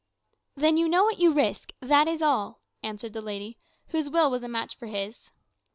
"Then you know what you risk, that is all," answered the lady, whose will was a match for his.